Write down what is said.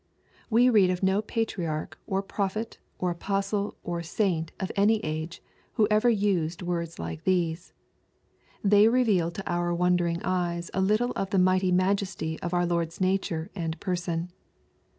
We read of no patriarch, or prophet, or apostle, or saint, of any age, who ever used words like these. They reveal to our wondering eyes a little of the mighty majesty of our Lord's natare and person.